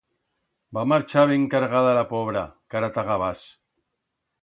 Va marchar ben cargada la pobra, cara ta Gabás.